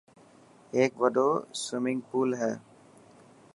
هيڪ وڏو سومنگپول هي.